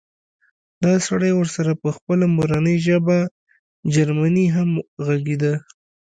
دا سړی ورسره په خپله مورنۍ ژبه جرمني هم غږېده